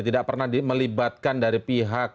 tidak pernah melibatkan dari pihak